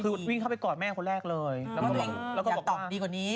คือวิ่งเข้าไปกอดแม่คนแรกเลยแล้วก็บอกดีกว่านี้